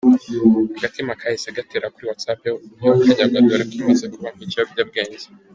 Agatima kahise gaterera kuri WhatsApp yo kanyagwa dore ko imaze kuba nk’ikiyobyabwenge.